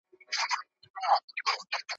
چي د ریا پر منبرونو دي غوغا ووینم ,